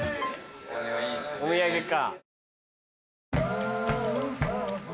お土産か。